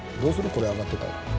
これ上がってたら。